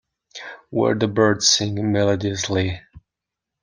Where the birds sing melodiously.